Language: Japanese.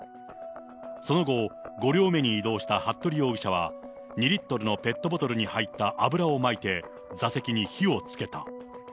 その後、５両目に移動した服部容疑者は、２リットルのペットボトルに入った油をまいて、座席に火をつけた。